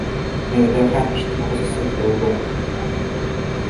Dunyoda har ishning o‘z hisob-kitobi bor.